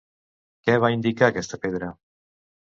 Què va indicar aquesta pedra?